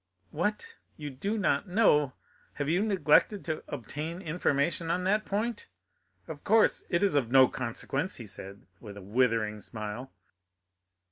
"What, you do not know! Have you neglected to obtain information on that point? Of course it is of no consequence," he added, with a withering smile.